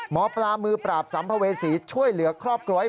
หมอปลามือปราบสัมภเวษีช่วยเหลือครอบครัวให้